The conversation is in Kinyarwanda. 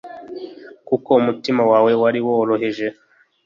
kuko umutima wawe wari woroheje